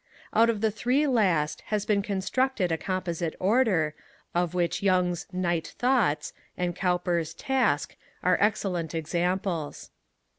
Out of the three last has been constructed a composite order, of which Young's Night Thoughts, and Cowper's Task, are excellent examples.